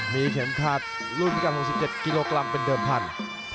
มีเข็มขัดรุ่นเก่า๖๗กิโลกรัมเป็นเดิมพันธุ์